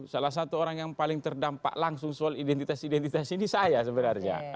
salah satu orang yang paling terdampak langsung soal identitas identitas ini saya sebenarnya